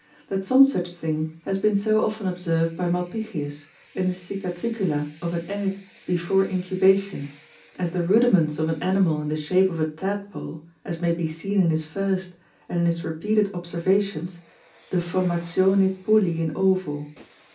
That some such thing has been so often observ'd by Malpighius, in the Cicatricula of an Egg before Incubation, as the Rudiments of an Animal in the shape of a Tadpole, as may be seen in his first, and in his repeated Observations de formatione Pulli in Ovo. 2.